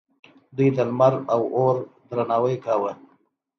دوی د لمر او اور درناوی کاوه